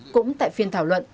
cũng tại phiên thảo luận